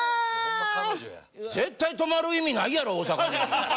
絶対泊まる意味ないやろ大阪に。